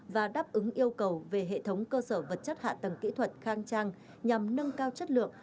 và đáp ứng yêu cầu về hệ thống cơ sở vật chất hạ tầng kỹ thuật khang trang nhằm nâng cao chất lượng